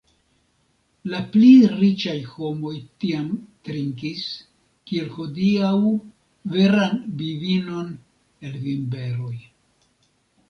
La pli riĉaj homoj tiam trinkis, kiel hodiaŭ veran vinon el vinberoj.